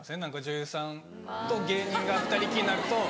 女優さんと芸人が２人きりになると。